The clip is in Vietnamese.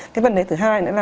cái vấn đề thứ hai nữa là